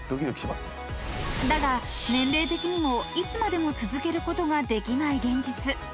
［だが年齢的にもいつまでも続けることができない現実］